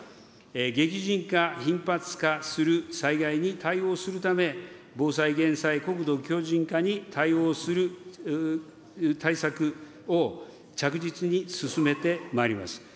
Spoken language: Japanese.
激甚化頻発化する災害に対応するため、防災・減災、国土強じん化に対応する対策を着実に進めてまいります。